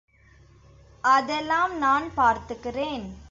அதெல்லாம் நான் பார்த்துக்குறேன்.